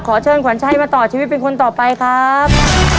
เชิญขวัญชัยมาต่อชีวิตเป็นคนต่อไปครับ